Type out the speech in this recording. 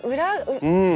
うん。